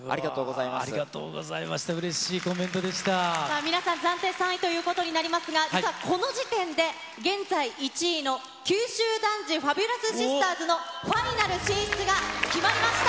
ありがとうございました、皆さん、暫定３位ということになりますが、さあ、この時点で現在１位の九州男児×ＦａｂｕｌｏｕｓＳｉｓｔｅｒｓのファイナル進出が決まりました。